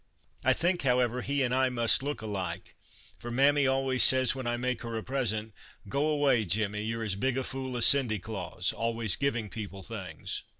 I think, however, he and 1 must look alike, for Mammy always says when 1 make her a present, ' Go away, Jimmy, you 're as big a fool as Sindy Klaws, always giving people things.'